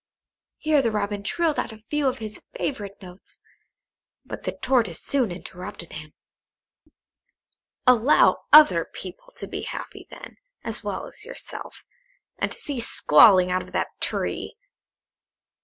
Here the Robin trilled out a few of his favourite notes, but the Tortoise soon interrupted him. "Allow other people to be happy, then, as well as yourself, and cease squalling out of that tree.